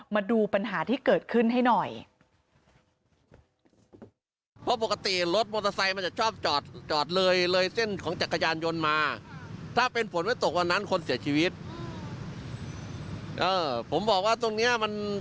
มาดูปัญหาที่เกิดขึ้นให้หน่อย